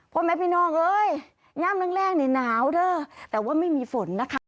พ่อแม่พี่น้องเอ้ยย่ามแรกนี่หนาวเด้อแต่ว่าไม่มีฝนนะคะ